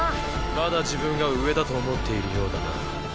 まだ自分が上だと思っているようだな。